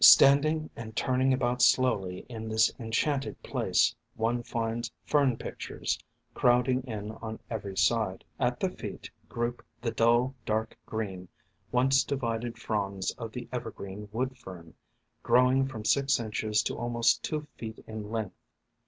Stand BBBjjfl| THE FANTASIES OF FERNS 1 97 ing and turning about slowly in this enchanted place one finds Fern pictures crowding in on every side. At the feet group the dull, dark green, once divided fronds of the Evergreen Wood Fern, grow ing from six inches to almost two feet in length.